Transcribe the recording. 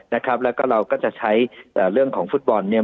นะครับแล้วก็เราก็จะใช้เอ่อเรื่องของฟุตบอลเนี่ย